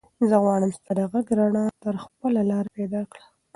زه غواړم ستا د غږ رڼا ته خپله لاره پیدا کړم.